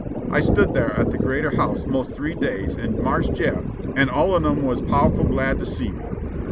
I stid thar at the greater house mos' three days an' Marse Jeff, 'n all un 'em was pow'ful glad to see me.